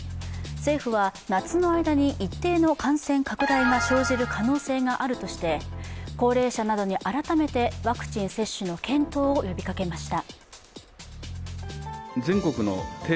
政府は夏の間に一定の感染拡大が生じる可能性があるとして、高齢者などに改めてワクチン接種の検討を呼びかけました。